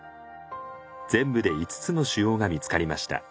全部で５つの腫瘍が見つかりました。